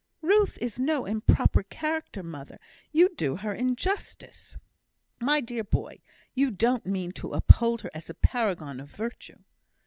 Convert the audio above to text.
"Ruth is no improper character, mother; you do her injustice!" "My dear boy, you don't mean to uphold her as a paragon of virtue!"